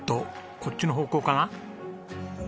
こっちの方向かな？